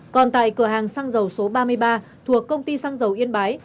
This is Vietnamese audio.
còn tại cửa hàng xăng dầu số ba mươi ba thuộc công ty xăng dầu yên bái